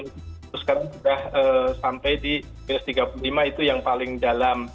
itu sekarang sudah sampai di minus tiga puluh lima itu yang paling dalam